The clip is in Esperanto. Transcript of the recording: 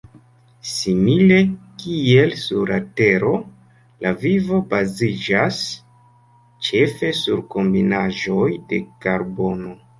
Simile kiel sur la Tero, la vivo baziĝas ĉefe sur kombinaĵoj de karbono.